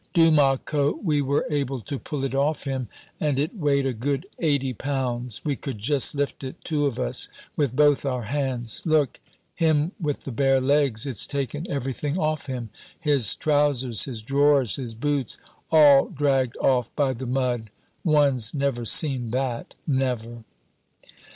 Dumas' coat, we were able to pull it off him, and it weighed a good eighty pounds; we could just lift it, two of us, with both our hands. Look him with the bare legs; it's taken everything off him, his trousers, his drawers, his boots, all dragged off by the mud. One's never seen that, never."